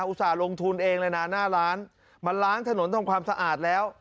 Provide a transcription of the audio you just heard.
อุตส่าหลงทุนเองเลยนะหน้าร้านมาล้างถนนทำความสะอาดแล้ว